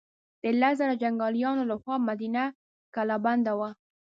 د لس زره جنګیالیو له خوا مدینه کلا بنده وه.